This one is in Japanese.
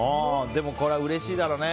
でも、これはうれしいだろうね。